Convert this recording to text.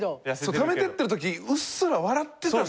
貯めてってるときうっすら笑ってたんだよ。